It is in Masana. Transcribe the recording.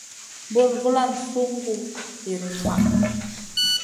Bùn vulan sungu birim maʼh.